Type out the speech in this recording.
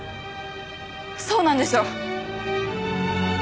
そうなんでしょ？